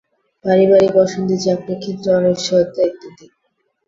পারিবারিক অশান্তি, চাকরির ক্ষেত্রে অনিশ্চয়তা ইত্যাদি।